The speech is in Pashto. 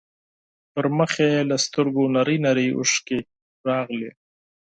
په مخ يې له سترګو نرۍ نرۍ اوښکې راغلې.